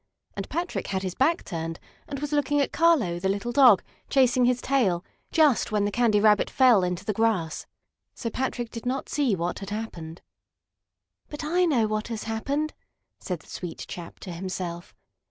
And Patrick had his back turned, and was looking at Carlo, the little dog, chasing his tail just when the Candy Rabbit fell into the grass. So Patrick did not see what had happened. "But I know what has happened," said the sweet chap to himself.